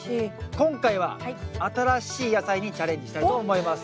今回は新しい野菜にチャレンジしたいと思います。